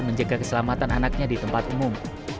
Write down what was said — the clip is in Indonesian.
menjaga keselamatan anaknya di tempat umum